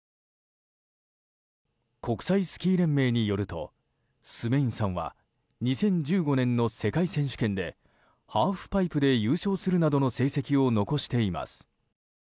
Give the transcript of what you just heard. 国際スキー連盟によるとスメインさんは２０１５年の世界選手権でハーフパイプで優勝するなどの成績を残しています。